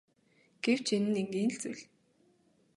Гэвч энэ нь энгийн л зүйл.